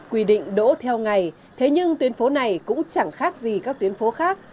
quy định đỗ theo ngày thế nhưng tuyến phố này cũng chẳng khác gì các tuyến phố khác